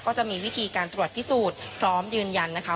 ก็จะมีวิธีการตรวจพิสูจน์พร้อมยืนยันนะคะ